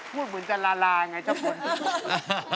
พูดเหมือนจะลาลายังไงชอบคน